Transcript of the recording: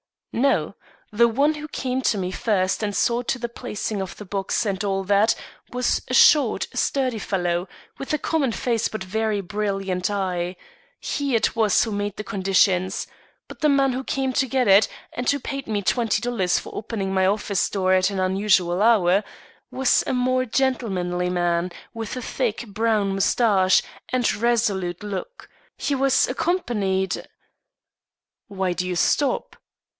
"No; the one who came to me first and saw to the placing of the box and all that, was a short, sturdy fellow, with a common face but very brilliant eye; he it was who made the conditions; but the man who came to get it, and who paid me twenty dollars for opening my office door at an unusual hour, was a more gentlemanly man, with a thick, brown mustache and resolute look. He was accompanied " "Why do you stop?"